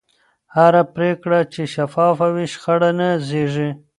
هره پرېکړه چې شفافه وي، شخړه نه زېږي.